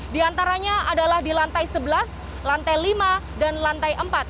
di antaranya adalah di lantai sebelas lantai lima dan lantai empat